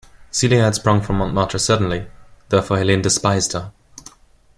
Celia had sprung from Montmartre suddenly; therefore Helene despised her.